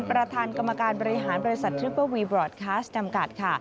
ประธานกรรมการบริหารบริษัททริปเปอร์วีบรอดคลาสจำกัดค่ะ